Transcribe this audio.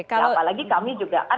apalagi kami juga akan